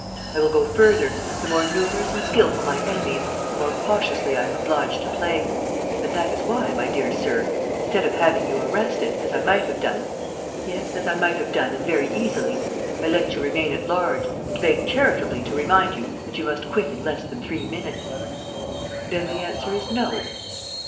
I will go further: the more numerous and skilful my enemies, the more cautiously I am obliged to play. And that is why, my dear sir, instead of having you arrested, as I might have done yes, as I might have done and very easily I let you remain at large and beg charitably to remind you that you must quit in less than three minutes." "Then the answer is no?"